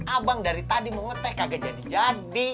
abang dari tadi mengetek agak jadi jadi